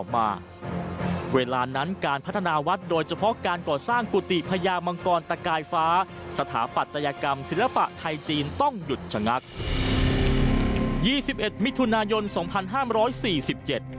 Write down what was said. มังกรตะกายฟ้าสถาปัตยกรรมศิลปะไทยจีนต้องหยุดชะงักยี่สิบเอ็ดมิถุนายนสองพันห้ามร้อยสี่สิบเจ็ด